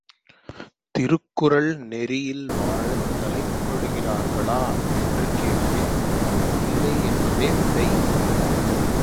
திருக்குறள் நெறியில் வாழத் தலைப்படுகிறார்களா என்று கேட்பின் இல்லை என்பதே விடை!